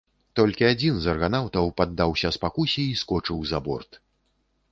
Толькі адзін з арганаўтаў паддаўся спакусе і скочыў за борт.